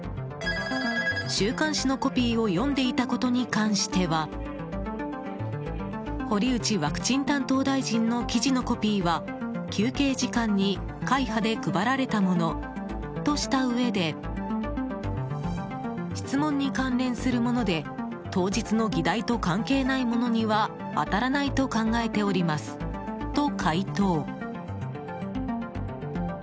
週刊誌のコピーを読んでいたことに関しては堀内ワクチン担当大臣の記事のコピーは休憩時間に会派で配られたものとしたうえで質問に関連するもので当日の議題と関係ないものには当たらないと考えておりますと、回答。